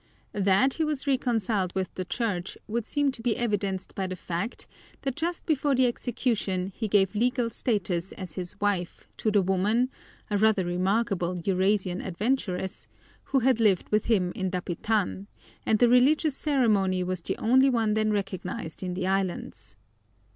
That he was reconciled with the Church would seem to be evidenced by the fact that just before the execution he gave legal status as his wife to the woman, a rather remarkable Eurasian adventuress, who had lived with him in Dapitan, and the religious ceremony was the only one then recognized in the islands.